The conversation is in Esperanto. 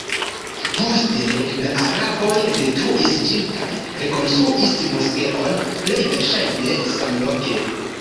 Poste la araboj detruis ĝin kaj rekonstruis moskeon plej verŝajne samloke.